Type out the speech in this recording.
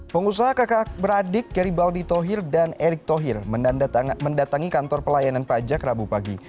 pengusaha kakak beradik garibaldi tohir dan erick tohir mendatangi kantor pelayanan pajak rabu pagi